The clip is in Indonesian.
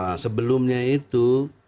nah sebelumnya itu